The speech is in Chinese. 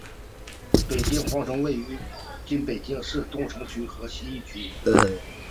北京皇城位于今北京市东城区和西城区。